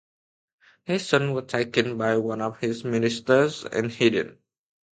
His son was taken by one of his ministers and hidden.